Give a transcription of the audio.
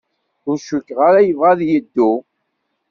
Ur cukkeɣ ara yebɣa ad yeddu.